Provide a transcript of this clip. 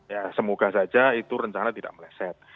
ya semoga saja itu rencana tidak meleset